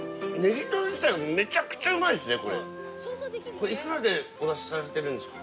これいくらでお出しされてるんですか？